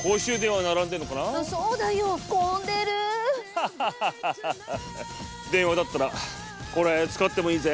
ハハハハ電話だったらこれ使ってもいいぜ。